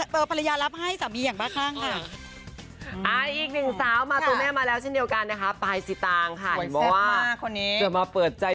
ภรรยารับให้สามีอย่างบ้าข้างค่ะ